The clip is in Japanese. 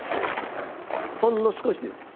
ほんの少しです